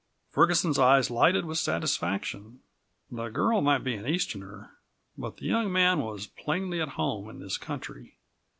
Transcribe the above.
Ferguson's eyes lighted with satisfaction. The girl might be an Easterner, but the young man was plainly at home in this country.